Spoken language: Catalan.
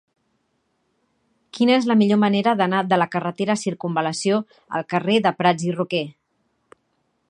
Quina és la millor manera d'anar de la carretera Circumval·lació al carrer de Prats i Roquer?